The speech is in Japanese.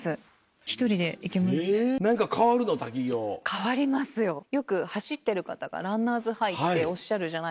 変わりますよよく走ってる方がランナーズハイっておっしゃるじゃないですか。